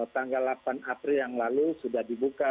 tanggal delapan april yang lalu sudah dibuka